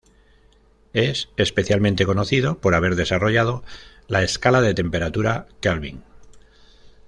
Es especialmente conocido por haber desarrollado la escala de temperatura Kelvin.